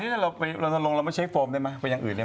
วันหนึ่งเราไปรอนาลงเรามาใช้โฟมได้มั้ยไปอย่างอื่นได้มั้ย